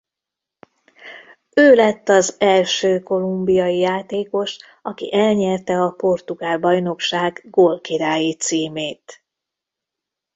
Ő lett az első kolumbiai játékos aki elnyerte a portugál bajnokság gólkirályi címét.